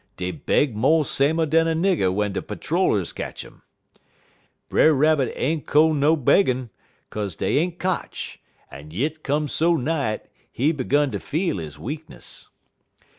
Dey beg mo' samer dan a nigger w'en de patter rollers ketch 'im. Brer Rabbit ain't ko no beggin', 'kaze dey ain't kotch; yit dey come so nigh it, he 'gun ter feel he weakness.